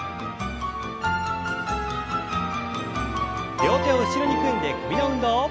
両手を後ろに組んで首の運動。